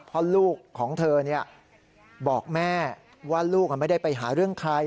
เพราะลูกของเธอบอกแม่ว่าลูกไม่ได้ไปหาเรื่องใคร